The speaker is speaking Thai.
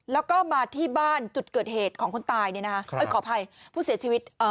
แล้วก็มาที่บ้านจุดเกิดเหตุของคนตายขออภัยผู้เสียชีวิต